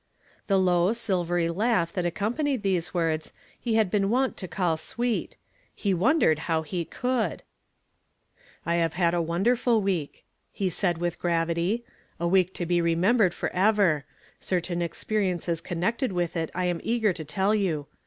The low, silvery laugh that acconq)anied these words, he had been wont to call sweet ; he wondered how he could !" I have had a wonderful week," he said with gravity. "A week to be remembered forever. Certain experiences connected with it I am eager to tell you.